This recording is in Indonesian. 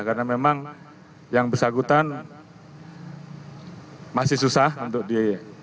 karena memang yang bersangkutan masih susah untuk di